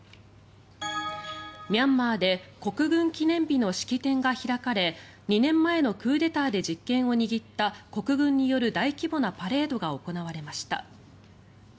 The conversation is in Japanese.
ミャンマーで国軍記念日の式典が開かれ２年前のクーデターで実権を握った国軍による大規模なパレードが行われました。